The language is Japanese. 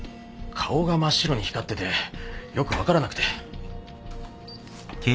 顔が真っ白に光っててよく分からなくて。